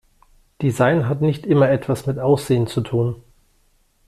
Design hat nicht immer etwas mit Aussehen zu tun.